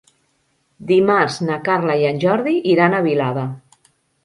Dimarts na Carla i en Jordi iran a Vilada.